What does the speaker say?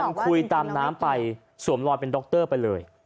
คุยตามน้ำไปสวมรอยเป็นดรไปเลย